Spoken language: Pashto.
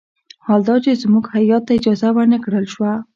حال دا چې زموږ هیات ته اجازه ور نه کړل شوه.